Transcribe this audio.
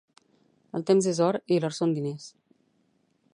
El temps és or i l'or són diners